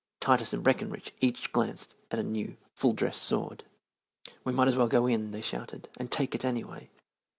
Titus and Breckenridge each glanced at a new, full dress sword. "We might as well go in," they shouted, "and take it anyway!"